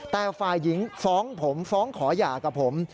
แต่ฝ่ายหญิงฟ้องผมฟ้องขอหย่ากับผม